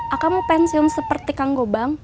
aku mau pensiun seperti kang gobang